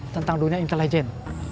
tentang dunia intelijen